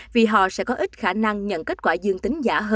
vì họ sẽ có ít khả năng nhận kết quả dương tính